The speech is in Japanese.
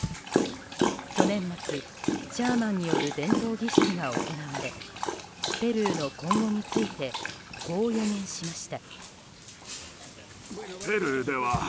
去年末、シャーマンによる伝統儀式が行われペルーの今後についてこう予言しました。